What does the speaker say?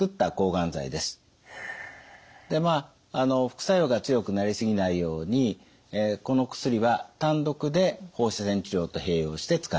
副作用が強くなりすぎないようにこの薬は単独で放射線治療と併用して使っています。